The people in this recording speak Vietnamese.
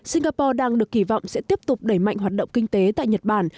singapore đang được kỳ vọng sẽ tiếp tục đẩy mạnh hoạt động kinh tế tại nhật bản